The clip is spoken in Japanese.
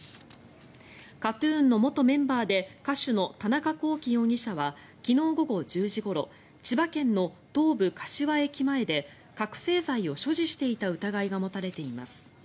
ＫＡＴ−ＴＵＮの元メンバーで歌手の田中聖容疑者は昨日午後１０時ごろ千葉県の東武柏駅前で覚醒剤を所持していた疑いが持たれています。